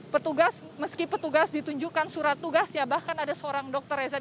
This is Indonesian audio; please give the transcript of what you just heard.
petugas meski petugas ditunjukkan surat tugasnya bahkan ada seorang dokter reza